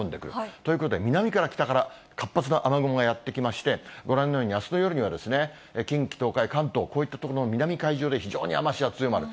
ということで南から北から、活発な雨雲がやって来まして、ご覧のように、あすの夜には近畿、東海、関東、こういった所の南海上で非常に雨足が強まる。